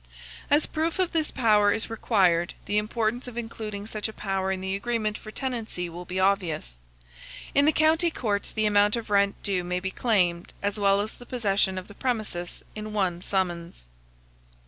As proof of this power is required, the importance of including such a power in the agreement for tenancy will be obvious. In the county courts the amount of rent due may be claimed, as well as the possession of the premises, in one summons. 2722.